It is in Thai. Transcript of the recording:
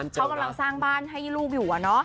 เขากำลังสร้างบ้านให้ลูกอยู่